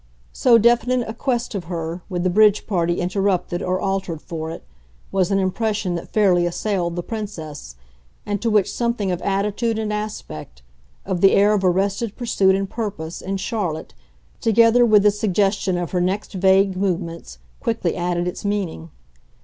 So definite a quest of her, with the bridge party interrupted or altered for it, was an impression that fairly assailed the Princess, and to which something of attitude and aspect, of the air of arrested pursuit and purpose, in Charlotte, together with the suggestion of her next vague movements, quickly added its meaning.